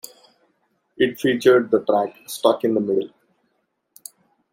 It featured the track "Stuck in the Middle".